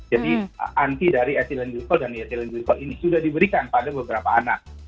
jadi anti dari ethylene glycol dan diethylene glycol ini sudah diberikan pada beberapa anak